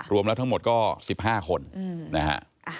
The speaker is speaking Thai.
รวมแล้วทั้งหมดก็๑๕คนนะฮะ